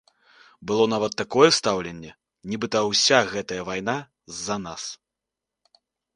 Было нават такое стаўленне, нібыта ўся гэтая вайна з-за нас.